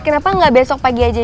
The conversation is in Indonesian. kenapa nggak besok pagi aja